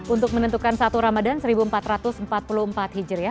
untuk menentukan satu ramadhan seribu empat ratus empat puluh empat hijri